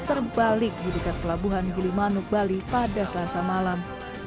terbalik di dekat pelabuhan gilimanuk bali pada selasa malam